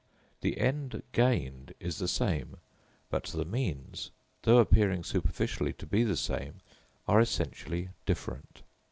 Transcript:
The end gained is the same, but the means, though appearing superficially to be the same, are essentially different.